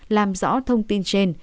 làm rõ thông tin trên